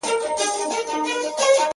• خو له دې بې شرفۍ سره په جنګ یم ـ